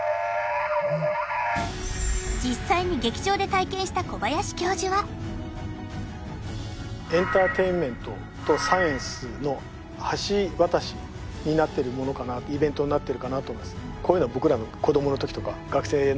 実際に劇場で体験した小林教授はエンターテインメントとサイエンスの橋渡しになってるものかなイベントになってるかなと思います